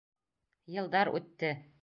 Йылдар үтте.